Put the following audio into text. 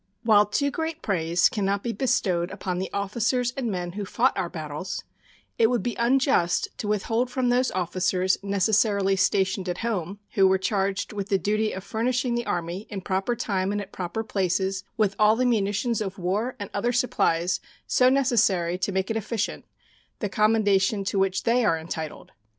While too great praise can not be bestowed upon the officers and men who fought our battles, it would be unjust to withhold from those officers necessarily stationed at home, who were charged with the duty of furnishing the Army in proper time and at proper places with all the munitions of war and other supplies so necessary to make it efficient, the commendation to which they are entitled.